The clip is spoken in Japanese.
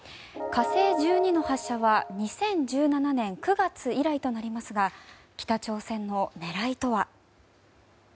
「火星１２」の発射は２０１７年９月以来となりますが北朝鮮の狙いとは。